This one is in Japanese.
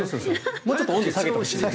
もうちょっと温度を下げてほしい。